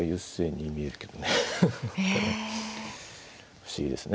不思議ですね。